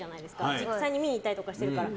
実際に見に行ったりとかしてるから。